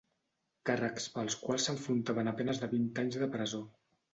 Càrrecs pels quals s'enfrontaven a penes de vint anys de presó.